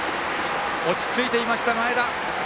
落ち着いていました、前田。